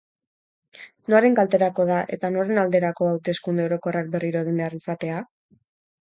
Noren kalterako da eta noren alderako hauteskunde orokorrak berriro egin behar izatea?